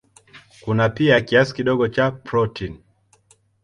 Kuna pia kiasi kidogo cha protini.